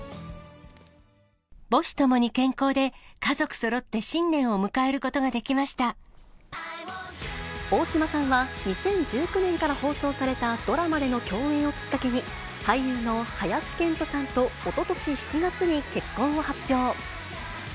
母子ともに健康で家族そろっ大島さんは、２０１９年から放送されたドラマでの共演をきっかけに、俳優の林遣都さんとおととし７月に結婚を発表。